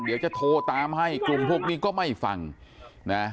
เดี๋ยวจะโทรตามให้กลุ่มพวกนี้ก็ไม่ฟังนะ